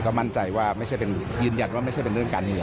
ก็มั่นใจว่ายืนยันว่าไม่ใช่เป็นเรื่องการเหงื่อ